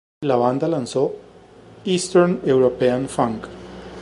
La banda lanzó "Eastern European Funk".